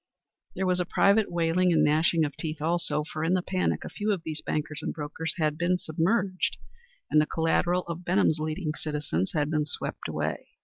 There was private wailing and gnashing of teeth also, for in the panic a few of these bankers and brokers had been submerged, and the collateral of Benham's leading citizens had been swept away.